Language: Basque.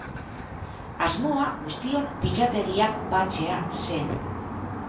Asmoa guztion fitxategiak batzea zen.